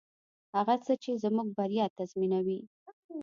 هغه څه چې زموږ بریا تضمینوي.